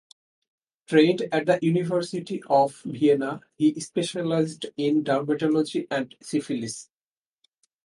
Trained at the University of Vienna, he specialized in dermatology and syphilis.